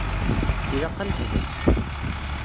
Ilaq ad neḥbes.